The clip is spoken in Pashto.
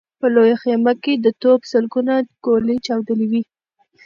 په لويه خيمه کې د توپ سلګونه ګولۍ چاودلې وې.